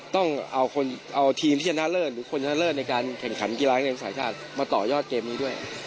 ต้องเอาทีมที่ชนะเลิศหรือคนชนะเลิศในการแข่งขันกีฬานักเรียนสายชาติมาต่อยอดเกมนี้ด้วย